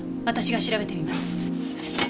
私が調べてみます。